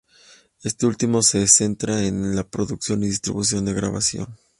Este último se centra en el producción y distribución de grabación.